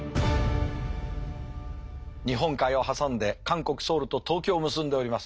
日本海を挟んで韓国・ソウルと東京を結んでおります。